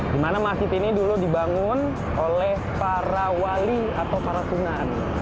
di mana masjid ini dulu dibangun oleh para wali atau para sunan